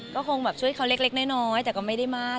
ก็คงแบบช่วยเขาเล็กน้อยแต่ก็ไม่ได้มาก